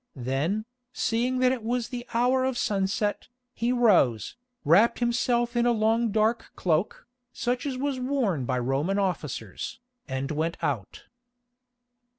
Then, seeing that it was the hour of sunset, he rose, wrapped himself in a long dark cloak, such as was worn by Roman officers, and went out.